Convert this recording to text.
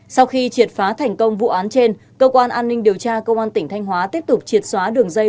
sau khi triệt phá thành công vụ án trên cơ quan an ninh điều tra công an tỉnh thanh hóa tiếp tục triệt xóa đường dây